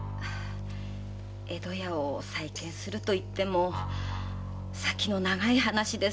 江戸屋を再建するといっても先の長い話ですし。